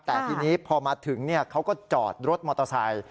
แต่ทีนี้พอมาถึงเขาก็จอดรถมอเตอร์ไซค์